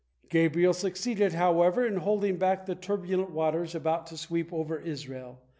Gabriel succeeded, however, in holding back the turbulent water about to sweep over Israel.